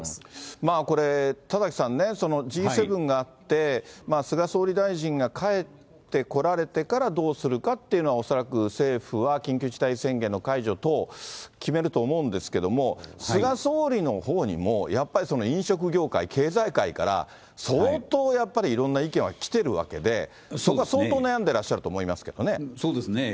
まあこれ、田崎さんね、Ｇ７があって、菅総理大臣が帰ってこられてからどうするかっていうのは、恐らく政府は緊急事態宣言の解除等、決めると思うんですけれども、菅総理のほうにもやっぱりその飲食業界、経済界から、相当、やっぱりいろんな意見は来てるわけで、そこは相当悩んでらっそうですね。